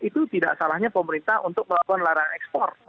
itu tidak salahnya pemerintah untuk melakukan larangan ekspor